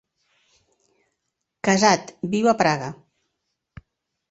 Casat, viu a Praga.